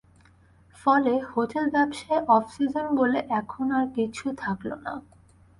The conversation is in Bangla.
ফলে হোটেল ব্যবসায় অফ সিজন বলে এখন আর কিছু থাকল না।